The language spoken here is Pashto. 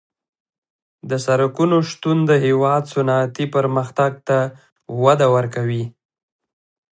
د سرکونو شتون د هېواد صنعتي پرمختګ ته وده ورکوي